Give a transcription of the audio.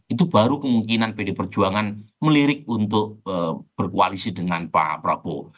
itu baru kemungkinan pdi perjuangan melirik untuk berkoalisi dengan pak prabowo